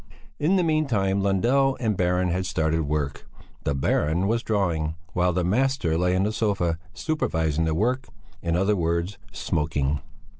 In the meantime Lundell and the Baron had started work; the Baron was drawing, while the master lay on the sofa, supervising the work, in other words, smoking.